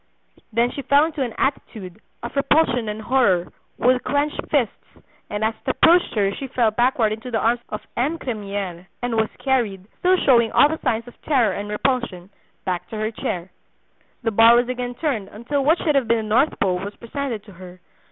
Then she fell into an attitude, of repulsion and horror, with clenched fists, and as it approached her she fell backward into the arms of M. Cremiere, and was carried, still showing all the signs of terror and repulsion, back to her chair. The bar was again turned until what should have been the north pole was presented to her.